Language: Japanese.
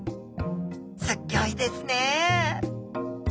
すっギョいですね！